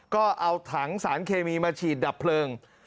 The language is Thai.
ก็เอาถังสารเคมีมาฉีดดับเพลิง